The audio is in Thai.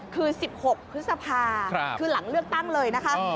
คือ๑๖พฤษภาคือหลังเลือกตั้งเลยนะคะ